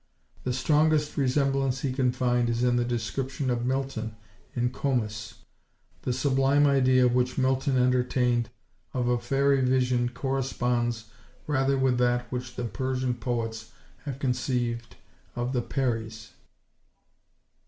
The strongest resemblance he can find is in the description of Milton in Comus. The sublime idea which Milton entertained of a fairy vision corresponds rather with that which the Persian poets have conceived of the Peries.